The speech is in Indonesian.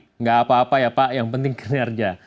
tidak apa apa ya pak yang penting kinerja